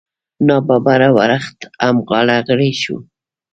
نا ببره ورښت هم غاړه غړۍ شو.